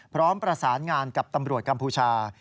พร้อมประสานงานกับตำรวจกัมพูชา